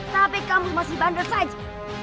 tapi kamu masih bandel saja